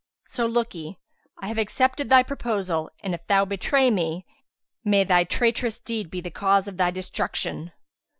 So, look'ee, I have accepted thy proposal and, if thou betray me, may thy traitorous deed be the cause of thy destruction!"